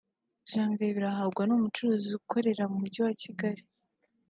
Jeanvier Birahagwa n’umucuruzi ukorera mu mujyi wa Kigali